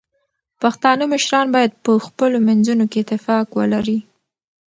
پښتانه مشران باید په خپلو منځونو کې اتفاق ولري.